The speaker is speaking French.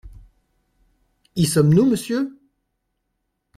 Y sommes-nous, monsieur ?